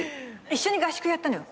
一緒に合宿やったのよ